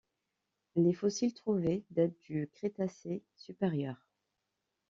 Les fossiles trouvés datent du Crétacé supérieur.